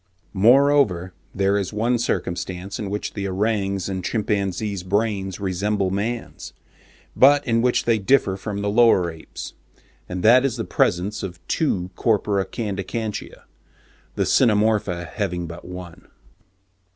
Moreover, there is one circumstance in which the orang's and chimpanzee's brains resemble man's, but in which they differ from the lower apes, and that is the presence of two corpora candicantia—the Cynomorpha having but one.